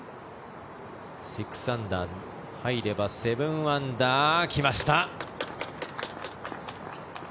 ６アンダー、入れば７アンダー来ました。